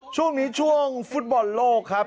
ช่วงนี้ช่วงฟุตบอลโลกครับ